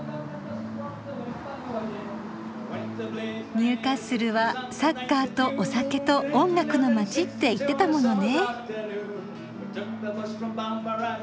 ・・ニューカッスルはサッカーとお酒と音楽の街って言ってたものね。